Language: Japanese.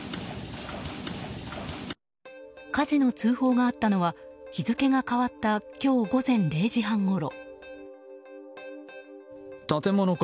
火事の通報があったのは日付が変わった今日午前０時半ごろ。